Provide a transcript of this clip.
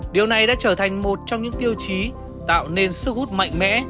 điều này đã trở thành một trong những tiêu chí tạo nên sức hút mạnh mẽ